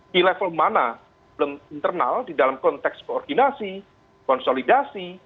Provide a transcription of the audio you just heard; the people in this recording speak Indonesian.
di level mana belum internal di dalam konteks koordinasi konsolidasi